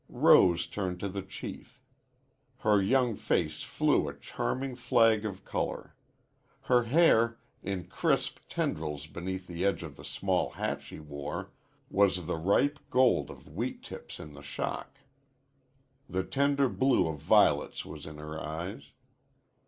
Rose turned to the Chief. Her young face flew a charming flag of color. Her hair, in crisp tendrils beneath the edge of the small hat she wore, was the ripe gold of wheat tips in the shock. The tender blue of violets was in her eyes.